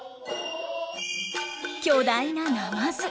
巨大なナマズ。